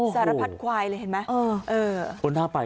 สารพัดควายเลยเห็นไหม